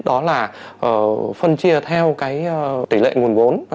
đó là phân chia theo cái tỷ lệ nguồn vốn